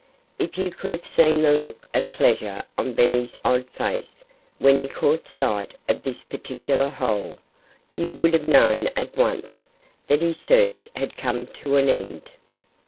If you could have seen the look of pleasure on Benny's odd face when he caught sight of this particular hole you would have known at once that his search had come to an end.